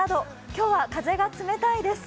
今日は風が冷たいです。